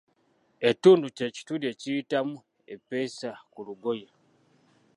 Ettundu ky’ekituli ekiyitamu eppeesa ku lugoye.